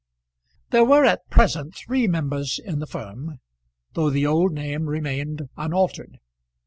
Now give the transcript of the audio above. There were at present three members in the firm, though the old name remained unaltered.